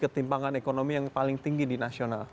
ketimpangan ekonomi yang paling tinggi di nasional